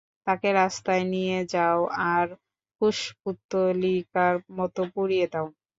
তাকে রাস্তায় নিয়ে যাও আর কুশপুত্তলিকার মত পুড়িয়ে দাও।